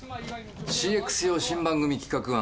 ＣＸ用新番組企画案